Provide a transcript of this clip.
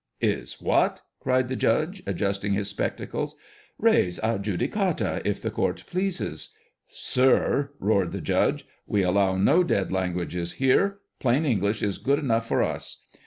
" Is what ?" cried the judge, adjusting his spectacles. " Res adjudicata, if the court pleases." " Sir," roared the judge, " we allow no dead languages here. Plain English is good enough for us.